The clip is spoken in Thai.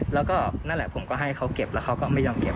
แล้วก็นั่นแหละผมก็ให้เขาเก็บแล้วเขาก็ไม่ยอมเย็